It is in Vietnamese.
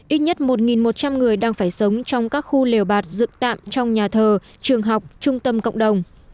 ít nhất một một trăm linh người đang phải sống trong các khu lều bạt dựng tạm trong nhà thờ trường học trung tâm cộng đồng